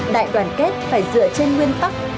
đại đoàn kết phải dựa trên nguyên tắc